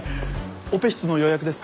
オペ室の予約ですか？